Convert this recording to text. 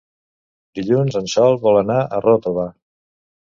Dilluns en Sol vol anar a Ròtova.